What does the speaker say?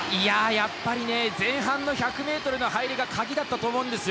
やっぱり前半の１００ｍの入りが鍵だったと思うんですよ。